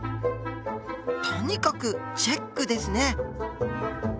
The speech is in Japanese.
とにかくチェックですね。